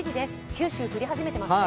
九州、降り始めてますね。